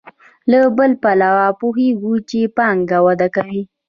له بل پلوه پوهېږو چې پانګه وده کوي